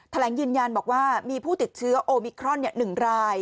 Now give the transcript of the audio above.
แถลงยืนยันบอกว่ามีผู้ติดเชื้อโอมิครอน๑ราย